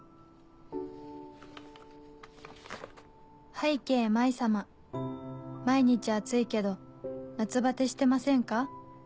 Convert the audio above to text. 「拝啓麻依様」「毎日暑いけど夏バテしてませんか？」